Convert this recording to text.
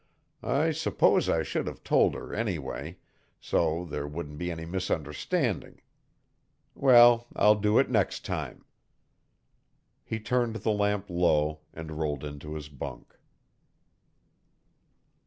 "I suppose I should have told her, anyway, so there wouldn't be any misunderstanding. Well, I'll do it next time." He turned the lamp low and rolled into his bunk.